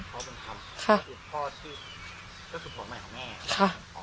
พ่อบุญธรรมค่ะพ่อที่ก็สุดของใหม่ของแม่ค่ะอ๋อ